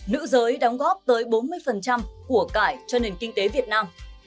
nữ giới đóng góp tới bốn mươi của cải cho nền kinh tế việt nam